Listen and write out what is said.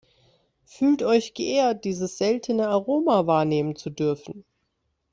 Fühlt euch geehrt, dieses seltene Aroma wahrnehmen zu dürfen!